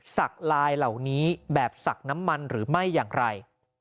สักลายเหล่านี้แบบศักดิ์น้ำมันหรือไม่อย่างไร